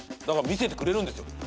だから見せてくれるんですよ。